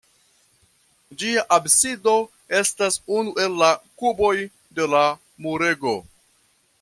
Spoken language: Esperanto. Ĝia absido estas unu el la kuboj de la murego.